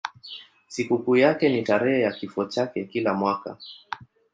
Sikukuu yake ni tarehe ya kifo chake kila mwaka.